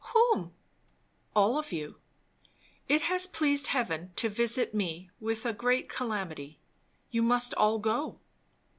"Whom?" "All of you! It has pleased heaven to visit me with a great calamity. You must all go."